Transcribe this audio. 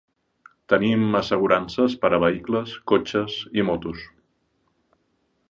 Tenim assegurances per a vehicles, cotxes i motos.